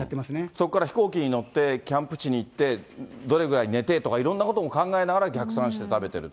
そこから飛行機に乗って、キャンプ地に行って、どれぐらい寝てとか、いろんなことも考えながら、逆算して食べてる。